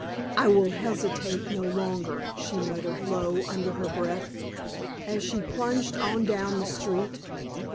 "I will hesitate no longer!" she muttered low under her breath as she plunged on down the street.